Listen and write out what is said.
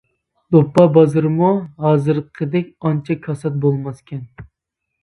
دوپپا بازىرىمۇ ھازىرقىدەك ئانچە كاسات بولماسكەن.